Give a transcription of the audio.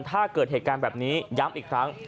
ถ้าเกิดเหตุการณ์แบบนี้ย้ำอีกครั้ง